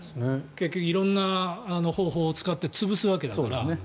色んな方法を使って潰すわけだから。